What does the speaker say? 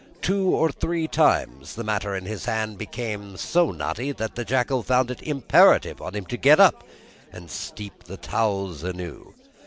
Two or three times, the matter in hand became so knotty, that the jackal found it imperative on him to get up, and steep his towels anew.